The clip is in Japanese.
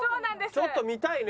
ちょっと見たいね。